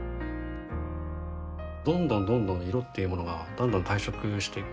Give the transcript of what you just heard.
どんどんどんどん色っていうものがどんどん退色して。